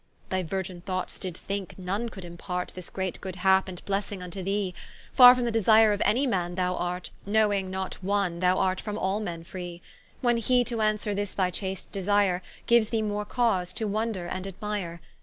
Thy virgin thoughts did thinke, none could impart This great good hap, and blessing vnto thee; Farre from the desire of any man thou art, Knowing not one, thou art from all men free: When he, to answere this thy chaste desire, Giues thee more cause to wonder and admire.